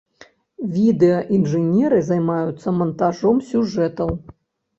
Відэаінжынеры займаюцца мантажом сюжэтаў.